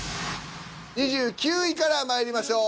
２９位からまいりましょう。